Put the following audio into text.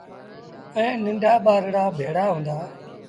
ائيٚݩ ننڍآ ٻآرڙآ ڀيڙآ هُݩدآ ۔